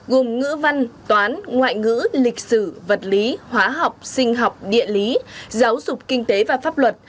gồm ngữ văn toán ngoại ngữ lịch sử vật lý hóa học sinh học địa lý giáo dục kinh tế và pháp luật